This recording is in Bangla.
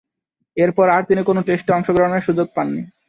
এরপর আর তিনি কোন টেস্টে অংশগ্রহণের সুযোগ পাননি।